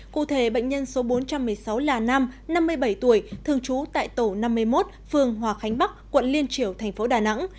cụ thể bệnh nhân số bốn trăm một mươi sáu là nam năm mươi bảy tuổi thường trú tại tổ năm mươi một phường hòa khánh bắc quận liên triểu thành phố đà nẵng